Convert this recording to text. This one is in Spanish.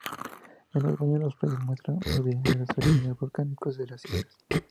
En los baños las playas muestran evidencias de los orígenes volcánicos de las islas.